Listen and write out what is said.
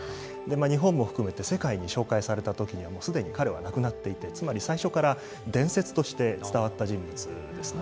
日本も含めて世界に紹介されたときには、もうすでに彼は亡くなっていて、つまり最初から伝説として伝わった人物です。